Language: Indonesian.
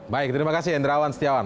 baik terima kasih hendrawan setiawan